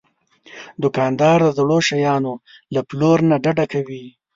دوکاندار د زړو شیانو له پلور نه ډډه کوي.